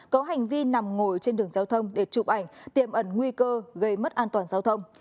có hành vi nằm ngồi trên đường giao thông để chụp ảnh tiệm ẩn nguy cơ gây mất an toàn giao thông